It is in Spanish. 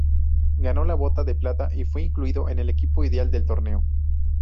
Ganó la Bota de Plata y fue incluido en el equipo ideal del torneo.